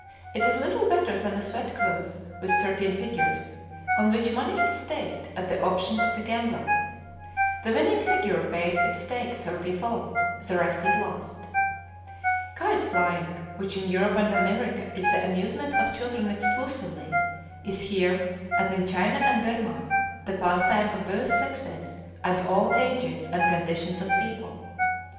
It is little better than a "sweat cloth," with thirteen figures, on which money is staked at the option of the gambler. The winning figure pays its stake thirty fold, the rest is lost. Kite flying, which in Europe and America is the amusement of children exclusively, is here, as in China and Birmah, the pastime of both sexes, and all ages and conditions of people.